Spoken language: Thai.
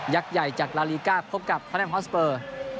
ยักษ์ใหญ่จากลาลีกาฟพบกับท่านแอมฮอสเบอร์